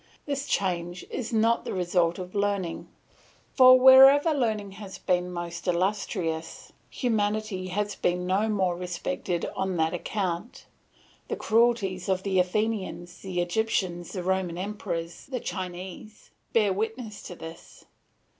This change is not the result of learning; for wherever learning has been most illustrious humanity has been no more respected on that account; the cruelties of the Athenians, the Egyptians, the Roman emperors, the Chinese bear witness to this.